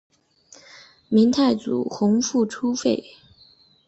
明太祖洪武初废。